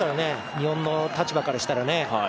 日本の立場からしたらね。